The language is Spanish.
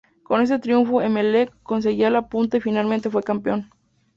Con ese triunfo Emelec conseguía la punta y finalmente fue campeón.